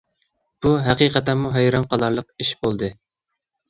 بۇ ھەقىقەتەنمۇ ھەيران قالارلىق ئىش بولدى.